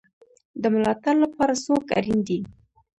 د ملاتړ لپاره څوک اړین دی؟